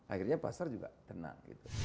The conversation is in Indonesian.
akhirnya pasar juga tenang